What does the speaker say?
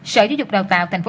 sở giáo dục đào tạo tp hcm